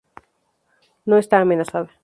No está amenazada.